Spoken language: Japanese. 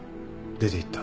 出ていった。